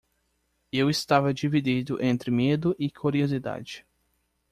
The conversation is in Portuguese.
Eu estava dividido entre medo e curiosidade.